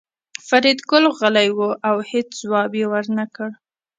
فریدګل غلی و او هېڅ ځواب یې ورنکړ